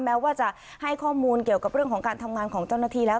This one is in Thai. แม้ว่าจะให้ข้อมูลเกี่ยวกับเรื่องของการทำงานของเจ้าหน้าที่แล้ว